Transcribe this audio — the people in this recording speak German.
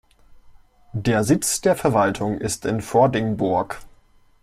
Der Sitz der Verwaltung ist in Vordingborg.